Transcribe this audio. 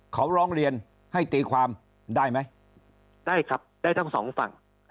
เขาร้องเรียนให้ตีความได้ไหมได้ครับได้ทั้งสองฝั่ง